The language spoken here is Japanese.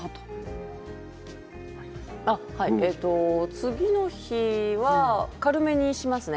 次の日は軽めにしますね。